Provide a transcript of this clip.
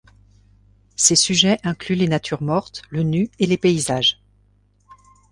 Ses sujets incluent les natures mortes, le nu et les paysages.